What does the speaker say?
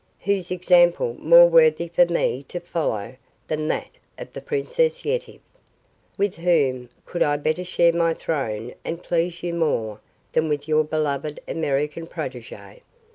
Whose example more worthy for me to follow than that of the Princess Yetive? With whom could I better share my throne and please you more than with your beloved American protege.